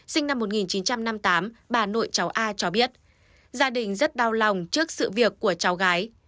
sinh năm một nghìn chín trăm năm mươi tám bà nội cháu a cho biết gia đình rất đau lòng trước sự việc của cháu gái